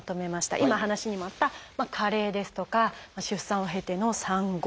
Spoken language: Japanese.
今話にもあった「加齢」ですとか出産を経ての「産後」。